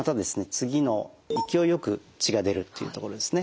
次の「勢いよく血が出る」というところですね。